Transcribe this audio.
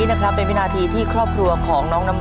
ต่อผลูก๓ข้อรับ๑แสนบาท